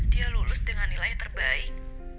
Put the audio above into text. dia lulus dengan nilai terbaik